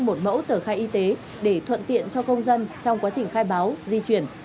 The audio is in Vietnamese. một mẫu tờ khai y tế để thuận tiện cho công dân trong quá trình khai báo di chuyển